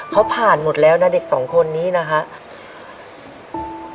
เขาผ่านหมดแล้วนะเด็กสองคนนี้นะครับ